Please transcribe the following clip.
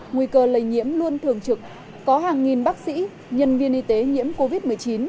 nguy cơ lây nhiễm luôn thường trực có hàng nghìn bác sĩ nhân viên y tế nhiễm covid một mươi chín